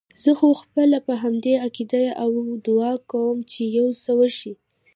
زه خو خپله په همدې عقیده یم او دعا کوم چې یو څه وشي.